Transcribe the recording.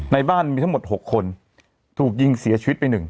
ในบ้านมีทั้งหมด๖คนถูกยิงเสียชีวิตไป๑